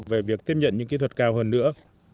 về việc tiếp nhận những kỹ thuật cao hơn nữa